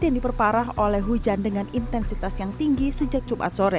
yang diperparah oleh hujan dengan intensitas yang tinggi sejak jumat sore